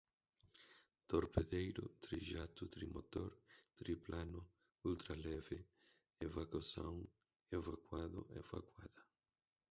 Torpedeiro, trijato, trimotor, triplano, ultraleve, evacuação, evacuado, evacuada